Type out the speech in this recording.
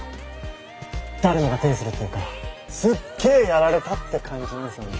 誰もが手にするというかすっげえやられたって感じなんすよね。